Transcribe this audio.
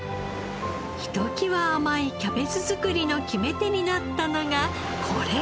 ひときわ甘いキャベツ作りの決め手になったのがこれ。